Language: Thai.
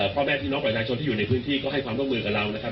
พ่อแม่พี่น้องประชาชนที่อยู่ในพื้นที่ก็ให้ความร่วมมือกับเรานะครับ